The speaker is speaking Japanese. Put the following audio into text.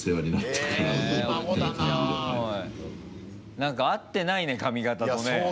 何か合ってないね、髪形とね。